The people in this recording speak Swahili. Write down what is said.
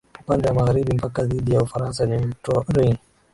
Upande wa magharibi mpaka dhidi ya Ufaransa ni mto Rhein